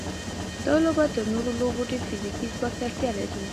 دا لوبه تر نورو لوبو ډېر فزیکي ځواک ته اړتیا لري.